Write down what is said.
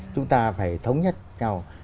chúng ta phải thống nhất nhau